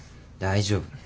大丈夫。